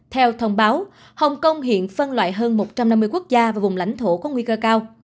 theo thông báo hồng kông hiện phân loại hơn một trăm năm mươi quốc gia và vùng lãnh thổ có nguy cơ cao